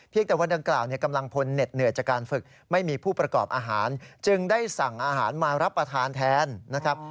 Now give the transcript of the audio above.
แต่วันดังกล่าวกำลังพลเหน็ดเหนื่อยจากการฝึกไม่มีผู้ประกอบอาหารจึงได้สั่งอาหารมารับประทานแทนนะครับ